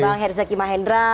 bang herzaki mahendra